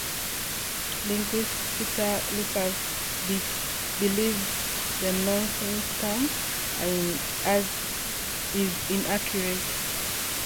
Linguist Peter Lucas believes the "nonsense" term is inaccurate.